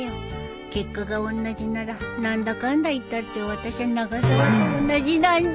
結果がおんなじなら何だかんだ言ったって私は永沢と同じなんだ